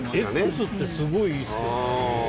Ｘってすごいいいっすよね